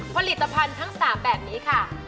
ผลิตภัณฑ์ทั้ง๓แบบนี้ค่ะ